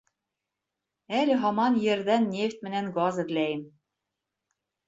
Әле һаман ерҙән нефть менән газ эҙләйем.